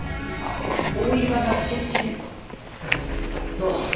ヤマさん！